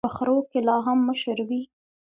په خرو کي لا هم مشر وي.